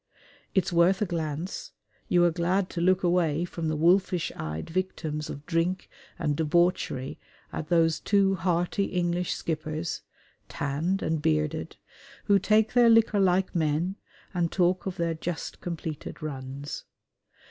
It's worth a glance you are glad to look away from the wolfish eyed victims of drink and debauchery at those two hearty English skippers, tanned and bearded, who take their liquor like men, and talk of their just completed "runs."